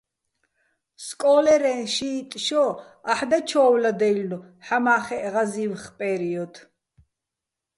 სკო́ლერეჼ შიიტტ შო აჰ̦ და ჩო́ვლადაჲლნო̆, ჰ̦ამა́ხეჸ ღაზი́ვხ პერიოდ.